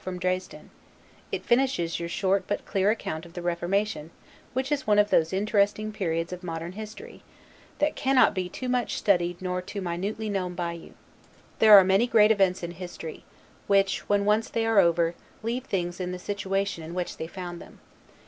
from Dresden: it finishes your short but clear account of the Reformation which is one of those interesting periods of modern history, that can not be too much studied nor too minutely known by you. There are many great events in history, which, when once they are over, leave things in the situation in which they found them.